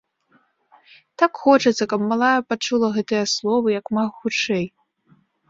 Так хочацца, каб малая пачула гэтыя словы, як мага хутчэй.